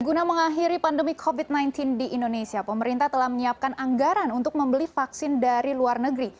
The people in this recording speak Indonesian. guna mengakhiri pandemi covid sembilan belas di indonesia pemerintah telah menyiapkan anggaran untuk membeli vaksin dari luar negeri